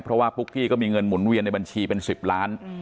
เพราะว่าปุ๊กกี้ก็มีเงินหมุนเวียนในบัญชีเป็น๑๐ล้าน